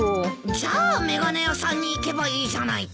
じゃあ眼鏡屋さんに行けばいいじゃないか。